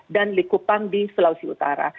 dan likupang di sulawesi utara